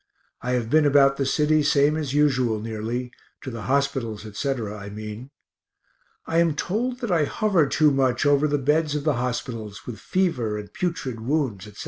I have been about the city same as usual nearly to the hospitals, etc., I mean. I am told that I hover too much over the beds of the hospitals, with fever and putrid wounds, etc.